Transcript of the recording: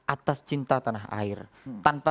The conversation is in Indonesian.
atas cinta tanah air tanpa